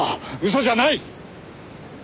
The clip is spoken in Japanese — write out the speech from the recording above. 嘘じゃない！